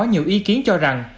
có nhiều ý kiến cho rằng